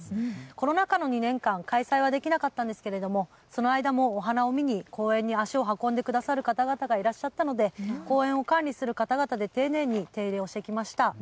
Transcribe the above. コロナ禍の２年間、開催はできなかったんですけどその間もお花を見に公園に足を運んでくださる方がいらっしゃったので公園を管理する方々で丁寧に手入れをしてきました。